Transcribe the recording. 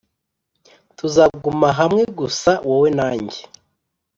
tuzaguma hamwe, gusa wowe na njye